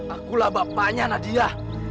akulah bapaknya nadia